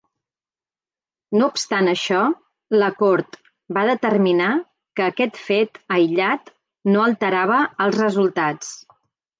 No obstant això, la Cort va determinar que aquest fet aïllat no alterava els resultats.